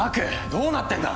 どうなってんだ！？